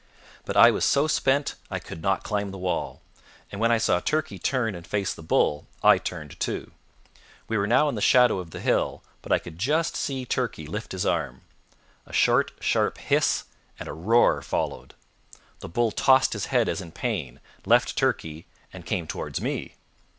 But I was so spent, I could not climb the wall; and when I saw Turkey turn and face the bull, I turned too. We were now in the shadow of the hill, but I could just see Turkey lift his arm. A short sharp hiss, and a roar followed. The bull tossed his head as in pain, left Turkey, and came towards me.